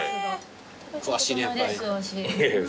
詳しいねやっぱり。